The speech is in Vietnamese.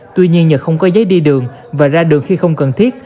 tuy nhiên nhờ không có giấy đi đường và ra đường khi không cần thiết